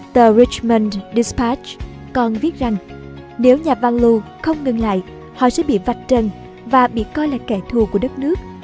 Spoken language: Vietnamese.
tờ richmond dispatch còn viết rằng nếu nhà van loo không ngừng lại họ sẽ bị vạch trần và bị coi là kẻ thù của đất nước